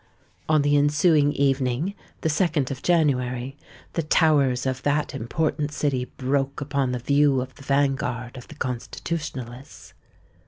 On the ensuing evening—the 2d of January—the towers of that important city broke upon the view of the van guard of the Constitutionalists.